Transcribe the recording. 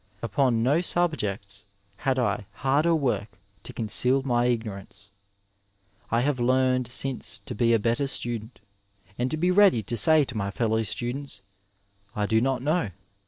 Upon no subjects had I harder work to conceal my ignorance. I have learned since to be a better student, and to be ready to say to my fellow students " I do not know."